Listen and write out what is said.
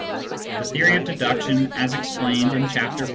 The theory of deduction, as explained in Chapter XIV.